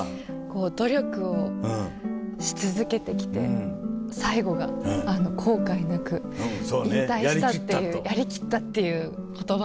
努力をし続けてきて最後が後悔なく引退したっていうやりきったっていう言葉がちょっと。